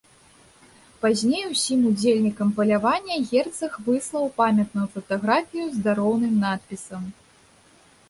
Пазней усім удзельнікам палявання герцаг выслаў памятную фатаграфію з дароўным надпісам.